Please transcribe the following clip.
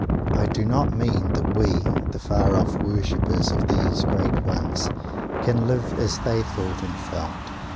I do not mean that we the far off worshippers of these great ones can live _as they thought and felt.